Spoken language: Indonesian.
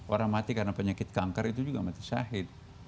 orang mati karena penyakit kanker itu juga mati syahid